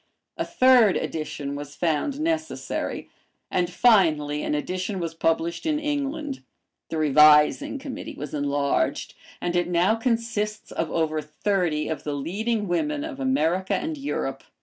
A third edition was found necessary, and finally an edition was published in England. The Revising Committee was enlarged, and it now consists of over thirty of the leading women of America and Europe.